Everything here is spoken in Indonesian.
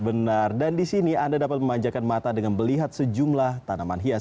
benar dan di sini anda dapat memanjakan mata dengan melihat sejumlah tanaman hias